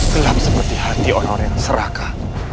gelap seperti hati orang orang yang serakah